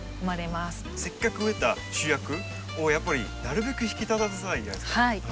せっかく植えた主役をやっぱりなるべく引き立たせたいじゃないですか。